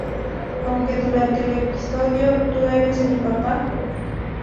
Aunque durante el episodio "¿Tú eres mi papá?